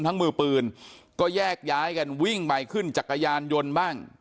ทั้งมือปืนก็แยกย้าให้กันวิ่งไปขึ้นจักรยานยนต์บ้างขึ้น